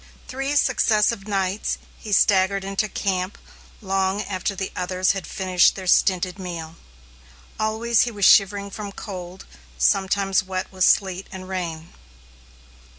Three successive nights, he staggered into camp long after the others had finished their stinted meal. Always he was shivering from cold, sometimes wet with sleet and rain.